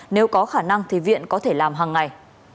nếu có khả năng thì viện có thể làm hàng ngày